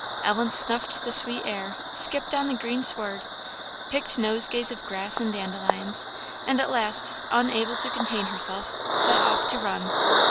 Ellen snuffed the sweet air, skipped on the green sward, picked nosegays of grass and dandelions, and at last, unable to contain herself, set off to run.